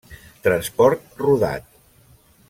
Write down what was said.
Transport rodat.